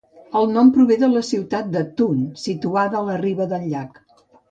El nom prové de la ciutat de Thun situada a la riba del llac.